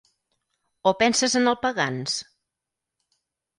O penses en el Pagans?